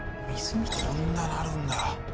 こんななるんだ。